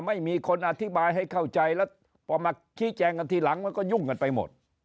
ไม่มีคนอธิบายให้เข้าใจแล้วพอมาชี้แจงกันทีหลังมันก็ยุ่งกันไปหมด